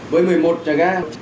với một mươi một trà ga